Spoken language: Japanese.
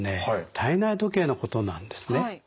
体内時計のことなんですね。